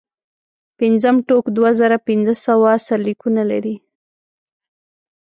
پنځم ټوک دوه زره پنځه سوه سرلیکونه لري.